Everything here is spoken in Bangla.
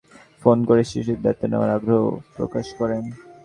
এরপর দেশ-বিদেশের বহু মানুষ ফোন করে শিশুটির দায়িত্ব নেওয়ার আগ্রহ প্রকাশ করেন।